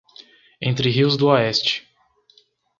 Entre Rios do Oeste